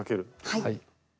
はい。